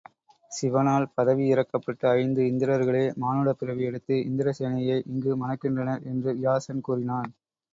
சிவனால் பதவி இறக்கப்பட்ட ஐந்து இந்திரர்களே மானுடப்பிறவி எடுத்து இந்திரசேனையை இங்கு மணக்கின்றனர் என்று வியாசன் கூறினான்.